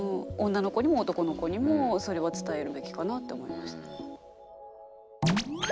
女の子にも男の子にもそれは伝えるべきかなって思いました。